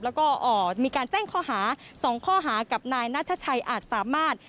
แล้วก็มีการแจ้งข้อหา๒ข้อหากับนายนัทชัยอาจสามารถ